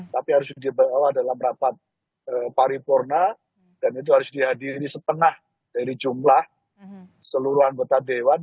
tapi harus dibawa dalam rapat paripurna dan itu harus dihadiri setengah dari jumlah seluruh anggota dewan